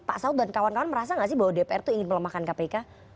pak saud dan kawan kawan merasa nggak sih bahwa dpr itu ingin melemahkan kpk